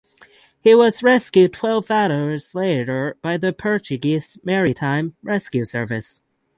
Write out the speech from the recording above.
He was rescued twelve hours later by the Portuguese Maritime Rescue Service.